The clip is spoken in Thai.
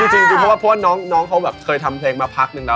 สิ่งจริงจริงจริงปะเพราะว่าน้องเขาเติมเพลงมาพักนึงแล้ว